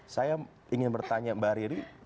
saya ingin bertanya mbak riri